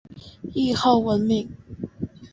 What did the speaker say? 谥号文敏。